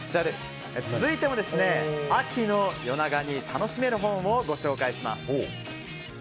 続いても、秋の夜長に楽しめる本をご紹介します。